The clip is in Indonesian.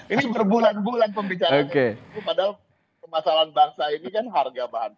ini berbulan bulan pembicaraannya padahal permasalahan bangsa ini kan harga bahan